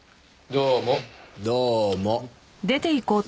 どうも。